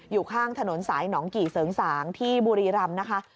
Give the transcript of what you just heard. อยู่ข้างถนนสายหนองกี่เสริงสางที่บุรีรำนะคะ